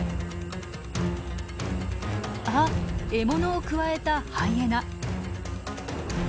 あっ獲物をくわえたハイエナ。